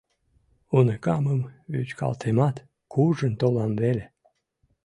Уныкамым вӱчкалтемат, куржын толам веле.